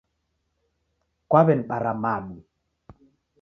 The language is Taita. Kwaw'enibara madu